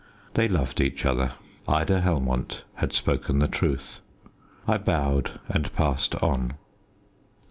They loved each other. Ida Helmont had spoken the truth. I bowed and passed on.